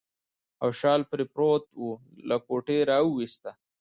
او شال پرې پروت و، له کوټې راوایسته.